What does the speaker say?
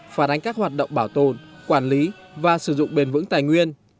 phản ánh các hoạt động bảo tồn quản lý và sử dụng bền vững tài nguyên